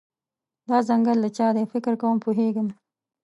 دا ځنګل د چا دی، فکر کوم پوهیږم